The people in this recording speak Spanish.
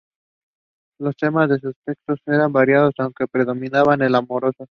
Los temas de sus textos son variados, aunque predomina el amoroso.